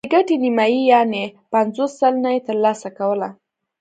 د ګټې نیمايي یعنې پنځوس سلنه یې ترلاسه کوله.